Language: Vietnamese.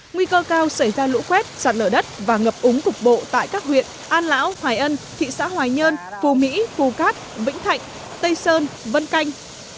nguy cơ cao xảy ra lũ quét sạt lở đất và ngập úng cục bộ tại các huyện an lão hoài ân thị xã hoài nhơn phù mỹ phù cát vĩnh thạnh tây sơn vân canh